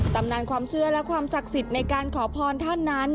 ตำนานความเชื่อและความศักดิ์สิทธิ์ในการขอพรท่านนั้น